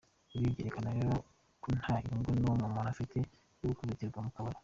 Ibi byerekana rero ko nta nyungu nimwe umuntu afite yo gukubitirwa mu kabari.